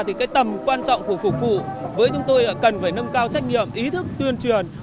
thì cái tầm quan trọng của phục vụ với chúng tôi cần phải nâng cao trách nhiệm ý thức tuyên truyền